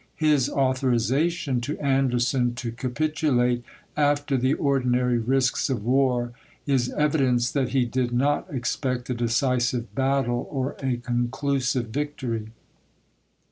His author ization to Anderson to capitulate after the ordinary risks of war is evidence that he did not expect a decisive battle or a conclusive victory.